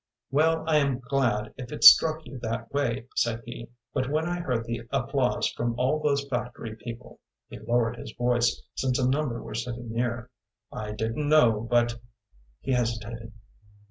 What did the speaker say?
"Well, I am glad if it struck you that way," said he, "but when I heard the applause from all those factory people" he lowered his voice, since a number were sitting near "I didn't know, but " He hesitated.